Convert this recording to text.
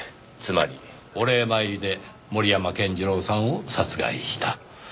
お礼参りで森山健次郎さんを殺害した。